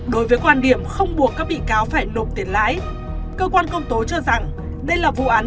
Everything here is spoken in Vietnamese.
đối với quan điểm không buộc các bị cáo phải nộp tiền lãi cơ quan công tố cho rằng đây là vụ án